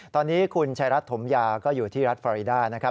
ตอนนี้คุณชายรัฐถมยาก็อยู่ที่รัฐฟอริดานะครับ